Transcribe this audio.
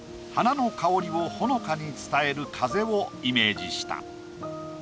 花の香りをほのかに伝える風をイメージした。